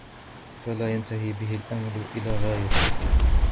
فَلَا يَنْتَهِي بِهِ الْأَمَلُ إلَى غَايَةٍ